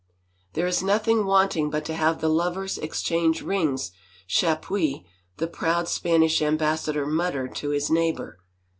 " There is nothing wanting but to have the lovers exchange rings," Chapuis, the proud Spanish Ambassa dor, muttered to his neighbor.